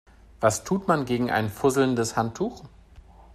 Was tut man gegen ein fusselndes Handtuch?